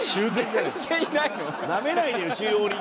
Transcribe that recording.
なめないでよ中央林間。